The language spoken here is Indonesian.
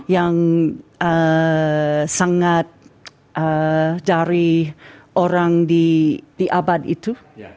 yang sangat dari orang di abad itu